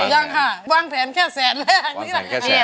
ยังค่ะวางแผนแค่แสนแหละ